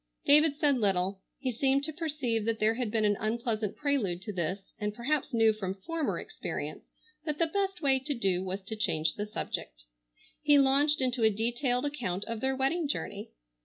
David said little. He seemed to perceive that there had been an unpleasant prelude to this, and perhaps knew from former experience that the best way to do was to change the subject. He launched into a detailed account of their wedding journey.